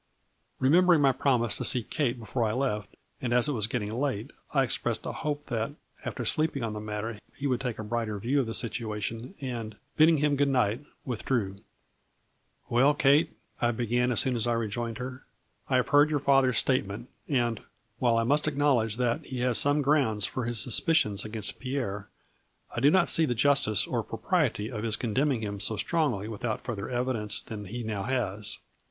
Remembering my promise to see Kate before I left, and as it was getting late, I expressed a hope that, after sleeping on the matter, he would take a brighter view of the situation and, bid ding him good night, withdrew. 130 A FLUBBY IN DIAMONDS ." Well, Kate," I began, as soon as I rejoined her, " I have heard your father's statement and, while I must acknowledge that he has some grounds for his suspicions against Pierre, I do not see the justice or propriety of his condemn ing him so strongly without further evidence than he now has.